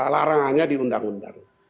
larangannya di undang undang